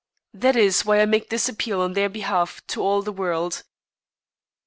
That is why I make this appeal on their behalf to all the world.